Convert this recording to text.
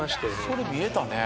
それ見えたね。